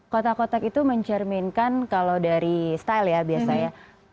kotak kotak itu mencerminkan kalau dari style ya biasanya